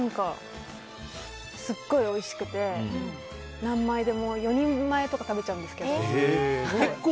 すごいおいしくて、何枚でも４人前とか食べちゃうんですけど。